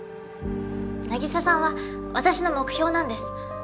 凪沙さんは私の目標なんです。